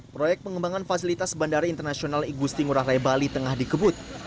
proyek pengembangan fasilitas bandara internasional igusti ngurah rai bali tengah dikebut